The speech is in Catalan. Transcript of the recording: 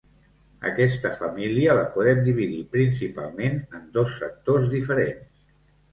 Aquesta família la podem dividir principalment en dos sectors diferents.